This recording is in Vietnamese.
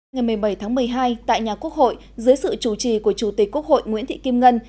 ngày một mươi bảy tháng một mươi hai tại nhà quốc hội dưới sự chủ trì của chủ tịch quốc hội nguyễn thị kim ngân